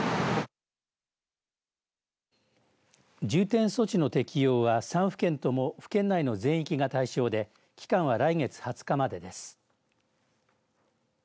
重点措置の適用は、３府県とも府県内の全域が対象で期間は来月２０日までです。